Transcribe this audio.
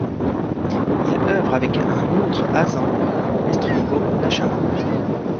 Il œuvre avec un autre hazzan, Estrongo Nachama.